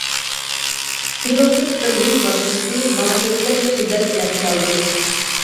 تۇيۇقسىز بىر يۈك ماشىنىسى ماڭا ئېتىلىپ شىددەت بىلەن كەلدى.